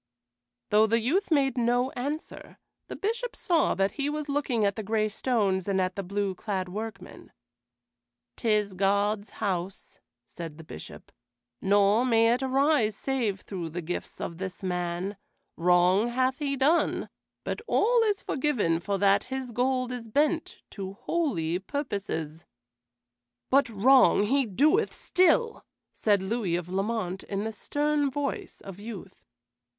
Though the youth made no answer, the Bishop saw that he was looking at the gray stones and at the blue clad workmen. "'Tis God's house," said the Bishop, "nor may it arise save through the gifts of this man. Wrong hath he done, but all is forgiven for that his gold is bent to holy purposes." "But wrong he doeth still," said Louis of Lamont, in the stern voice of youth.